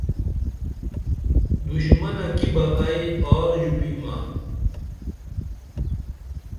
دُشمنہ کی بہ ائی آر ژوپیمہ